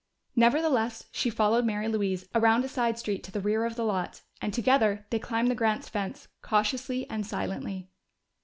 Nevertheless, she followed Mary Louise around a side street to the rear of the lot, and together they climbed the Grants' fence, cautiously and silently.